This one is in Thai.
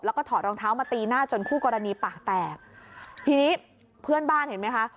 แล้วก็ถอดรองเท้ามาตีหน้าจนคู่กรณีปากแตกทีนี้เพื่อนบ้านเห็นไหมคะ